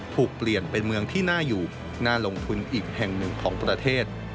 ถูกเปลี่ยนเป็นเมืองที่น่าอยู่น่าลงทุนอีกแห่งหนึ่งของประเทศ